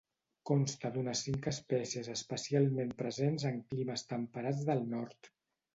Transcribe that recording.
Consta d'unes cinc espècies especialment presents en climes temperats del nord.